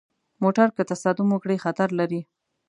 موټر که تصادم وکړي، خطر لري.